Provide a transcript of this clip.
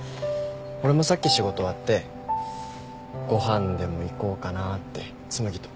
俺もさっき仕事終わってご飯でも行こうかなって紬と。